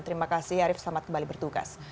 terima kasih arief selamat kembali bertugas